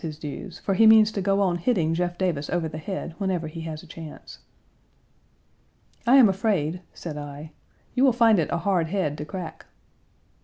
Page 149 his dues, for he means to go on hitting Jeff Davis over the head whenever he has a chance. "I am afraid," said I, "you will find it a hard head to crack."